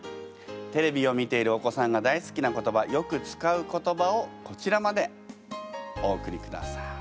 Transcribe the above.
テレビを見ているお子さんが大好きな言葉よく使う言葉をこちらまでお送りください。